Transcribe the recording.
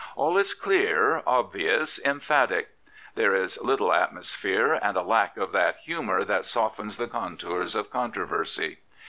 All is clear, obvious, emphatic. There is little atmosphere and a lack of that humour that softens the contours of controversy.